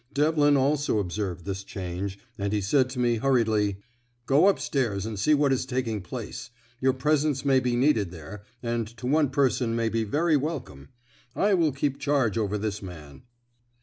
Devlin also observed this change, and he said to me hurriedly: "Go up stairs and see what is taking place. Your presence may be needed there, and to one person may be very welcome. I will keep charge over this man."